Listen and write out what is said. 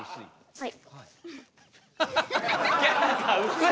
はい。